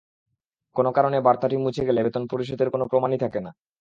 কোনো কারণে বার্তাটি মুছে গেলে বেতন পরিশোধের কোনো প্রমাণই থাকে না।